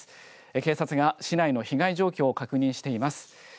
警察は市内の被害状況を確認しています。